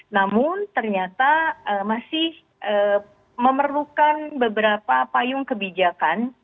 namun ternyata masih memerlukan beberapa payung kebijakan